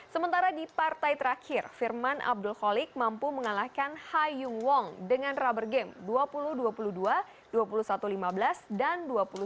sementara di partai terakhir firman abdul khaliq mampu mengalahkan hayung wong dengan rubber game dua puluh dua puluh dua dua puluh satu lima belas dan dua puluh satu dua belas